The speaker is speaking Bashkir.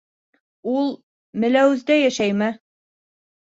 Ул Меләүездә йәшәйме?